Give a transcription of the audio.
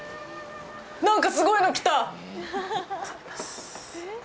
なんかすごいの来た！